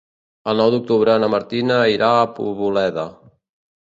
El nou d'octubre na Martina irà a Poboleda.